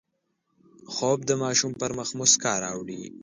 خوب د ماشوم پر مخ مسکا راوړي